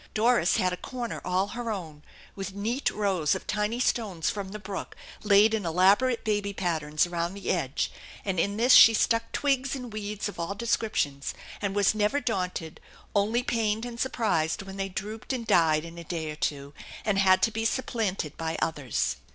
Doris had a corner all her own, with neat rows of tiny stones from the brook laid in elaborate baby patterns around the edge, and in this she stuck twigs and weeds of all descriptions, and was never daunted, only pained and surprised when they drooped and died in a day or two and had to be supplanted by others.